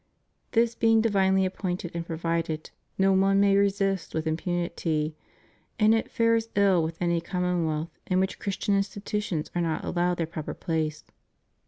This being di^dnely appointed and provided, no one may resist with impunity, and it fares ill with any commonwealth in which Christian institutions are not allowed their proper place.